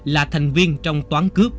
là thành viên trong toán cướp